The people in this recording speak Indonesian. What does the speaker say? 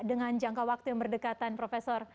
dengan jangka waktu yang berdekatan profesor